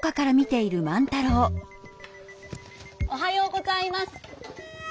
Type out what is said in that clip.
おはようございます。